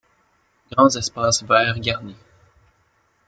Grands espaces verts garnis.